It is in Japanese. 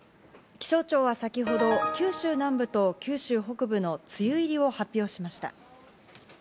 気象庁は先ほど九州南部と九州北部の梅雨入りを発表しました。